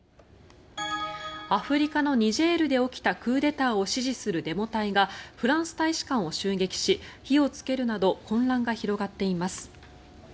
アフリカのニジェールで起きたクーデターを指示するデモ隊がフランス大使館を襲撃し火をつけるなど混乱が広がっています。